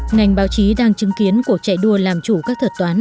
ngành báo chí đang chứng kiến cuộc chạy đua làm chủ các thuật toán